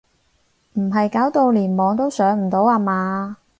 唔係搞到連網都上唔到呀嘛？